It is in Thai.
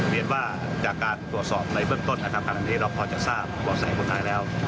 เรียกว่าจากการตรวจสอบในเมินต้นคณะนี้เราพอจะทราบว่าใส่คนร้ายแล้ว